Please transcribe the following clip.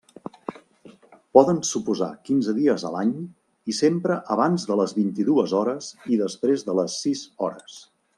Poden suposar quinze dies a l'any i sempre abans de les vint-i-dues hores i després de les sis hores.